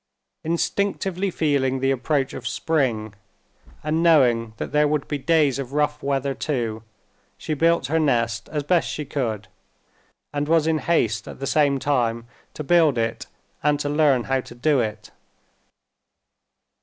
Instinctively feeling the approach of spring, and knowing that there would be days of rough weather too, she built her nest as best she could, and was in haste at the same time to build it and to learn how to do it.